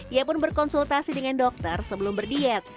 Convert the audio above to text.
ia pun berkonsultasi dengan dokter sebelum berdiet